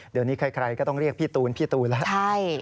เดี๋ยวนี้ใครก็ต้องเรียกพี่ตูนพี่ตูนแล้ว